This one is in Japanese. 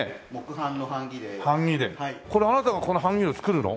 これあなたがこの版木を作るの？